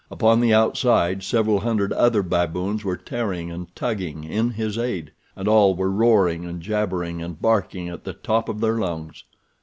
Upon the outside several hundred other baboons were tearing and tugging in his aid, and all were roaring and jabbering and barking at the top of their lungs.